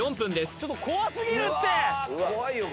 ちょっと怖すぎるって！